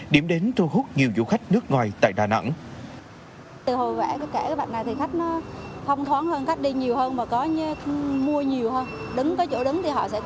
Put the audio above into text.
điểm đến thu hút nhiều du khách nước ngoài tại đà nẵng